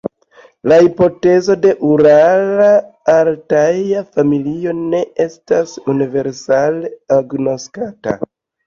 La hipotezo de ural-altaja familio ne estas universale agnoskata.